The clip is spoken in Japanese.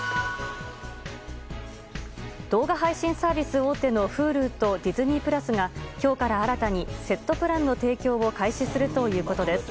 動画配信サービス大手のＨｕｌｕとディズニープラスが今日から新たにセットプランの提供を開始するということです。